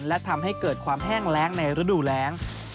และทำให้เกิดความแห้งแรงในฤดูแรง